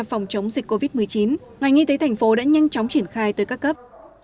phòng chống dịch covid một mươi chín ngành y tế thành phố đã nhanh chóng triển khai tới các cấp